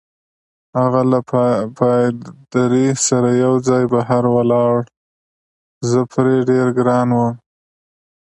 هغه له پادري سره یوځای بهر ولاړ، زه پرې ډېر ګران وم.